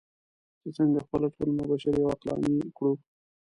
چې څنګه خپله ټولنه بشري او عقلاني کړو.